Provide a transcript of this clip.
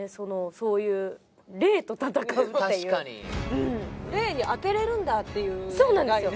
そういう霊と戦うっていう霊に当てれるんだっていう概念そうなんですよ